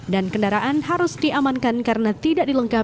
dan kendaraan harus diamankan karena tidak diselenggarakan